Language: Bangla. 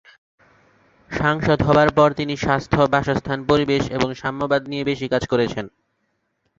সাংসদ হবার পর তিনি স্বাস্থ্য, বাসস্থান, পরিবেশ এবং সাম্যবাদ নিয়ে বেশি কাজ করেছেন।